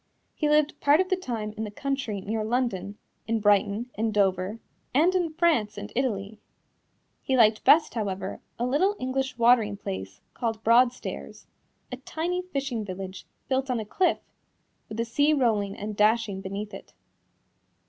He lived part of the time in the country near London, in Brighton, in Dover, and in France and Italy. He liked best, however, a little English watering place called Broadstairs a tiny fishing village, built on a cliff, with the sea rolling and dashing beneath it.